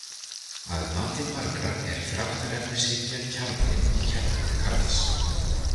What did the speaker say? Að mati margra er þráttarefnishyggja kjarninn í kenningum Karls.